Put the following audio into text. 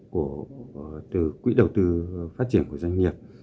từ quỹ đầu tư phát triển của doanh nghiệp